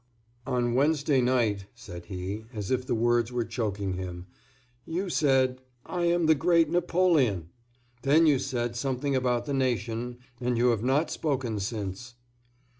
"On Wednesday night," said he, as if the words were choking him, "you said, 'I am the Great Napoleon!' Then you said something about the nation, and you have not spoken since."